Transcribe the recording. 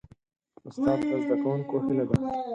استاد د زدهکوونکو هیله ده.